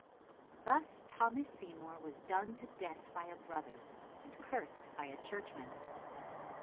Thus Thomas Seymour was done to death by a brother, and cursed by a churchman.